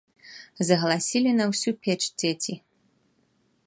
Загаласілі на ўсю печ дзеці.